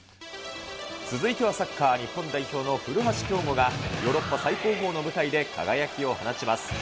続いてはサッカー、日本代表の古橋亨梧が、ヨーロッパ最高峰の舞台で輝きを放ちます。